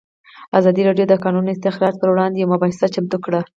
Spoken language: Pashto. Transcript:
ازادي راډیو د د کانونو استخراج پر وړاندې یوه مباحثه چمتو کړې.